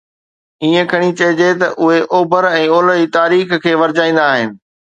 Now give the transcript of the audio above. ائين کڻي چئجي ته اهي اوڀر ۽ اولهه جي تاريخ کي ورجائيندا آهن.